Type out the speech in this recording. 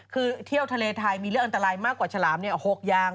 คือเที่ยวทะเลไทยมีเรื่องอันตรายมากกว่าฉลาม๖อย่าง